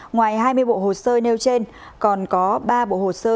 ngoài hai mươi bộ hồ sơ nêu trên còn có ba bộ hồ sơ chứng tử